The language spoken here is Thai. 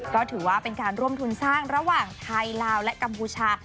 ก็ถือว่าเป็นการร่วมทุนสร้างระหว่างไทยลาวและกัมพูชา